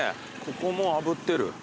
ここもあぶってる？